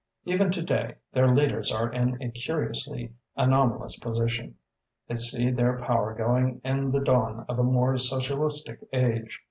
Even to day their leaders are in a curiously anomalous position. They see their power going in the dawn of a more socialistic age.